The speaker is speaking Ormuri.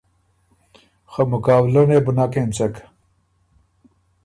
خه مقابلۀ نې بو نک اېنڅک۔